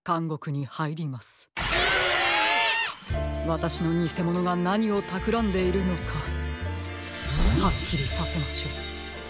わたしのにせものがなにをたくらんでいるのかはっきりさせましょう。